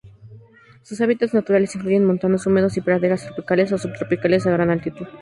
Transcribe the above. Sus hábitats naturales incluyen montanos húmedos y praderas tropicales o subtropicales a gran altitud.